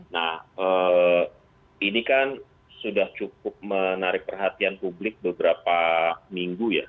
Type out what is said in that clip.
nah ini kan sudah cukup menarik perhatian publik beberapa minggu ya